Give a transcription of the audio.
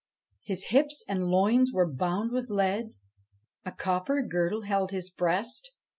His hips and loins were bound with lead. A copper girdle held his breast.